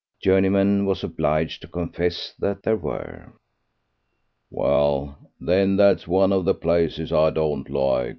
Journeyman was obliged to confess that there were. "Well, then, that's one of the places I don't like.